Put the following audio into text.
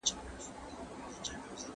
¬زور چي قدم کېږدي، هلته لېږدي.